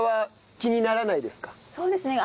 そうですね。